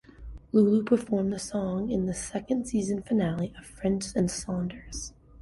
Lulu performed the song in the second season finale of French and Saunders.